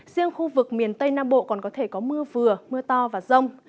riêng khu vực miền tây nam bộ còn có thể có mưa vừa mưa to và rông